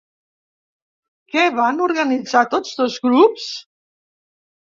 Què van organitzar tots dos grups?